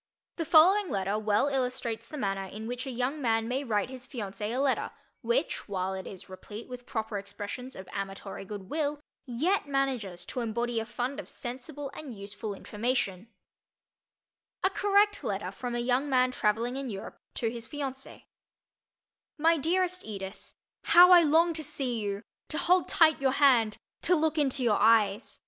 The following letter well illustrates the manner in which a young man may write his fiancée a letter which, while it is replete with proper expressions of amatory good will, yet manages to embody a fund of sensible and useful information: A Correct Letter from a Young Man Traveling in Europe to His Fiancée MY DEAREST EDITH: How I long to see you—to hold tight your hand—to look into your eyes.